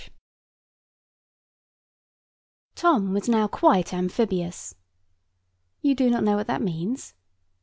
[Picture: Mermaid] TOM was now quite amphibious. You do not know what that means?